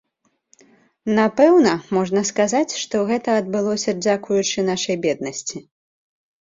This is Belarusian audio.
Напэўна, можна сказаць, што гэта адбылося дзякуючы нашай беднасці.